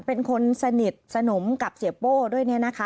เป็นคนสนิทสนมกับเสียโป้ด้วย